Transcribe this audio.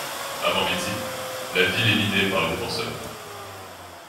Avant midi, la ville est minée par les défenseurs.